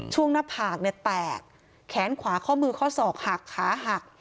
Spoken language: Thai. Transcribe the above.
หน้าผากเนี่ยแตกแขนขวาข้อมือข้อศอกหักขาหัก